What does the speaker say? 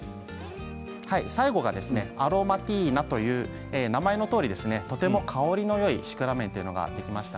最後がアロマティーナという名前のとおりとても香りのよいシクラメンというのができました。